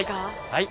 はい。